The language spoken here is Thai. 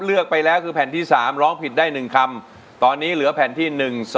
เลือกไปแล้วคือแผ่นที่๓ร้องผิดได้๑คำตอนนี้เหลือแผ่นที่๑๒